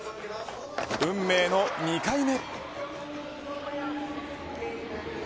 運命の２回目。